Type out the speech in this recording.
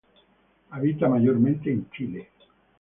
Habita mayormente en Chile.